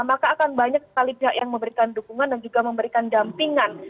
maka akan banyak sekali pihak yang memberikan dukungan dan juga memberikan dampingan